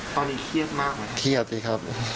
ตอนนี้เครียดมากเหรอครับเครียดดีครับ